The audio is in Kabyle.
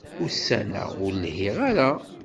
Ussan-a, ur lhiɣ ara.